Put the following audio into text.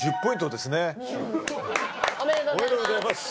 おめでとうございます。